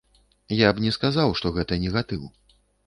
Я б не сказаў, што гэта негатыў.